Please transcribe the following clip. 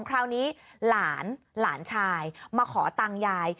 คราวนี้หลานหลานชายมาขอตังค์ยาย